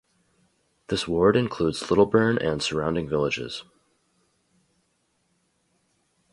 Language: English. This ward includes Littlebourne and surrounding villages.